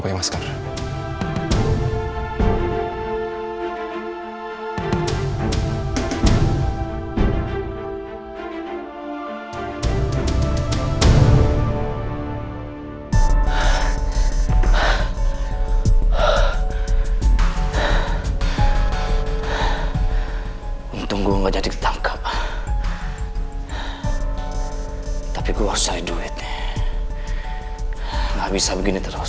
hai ah ah ah ah ah hai tunggu enggak jadi tangkap tapi gua saya duitnya nggak bisa begini terus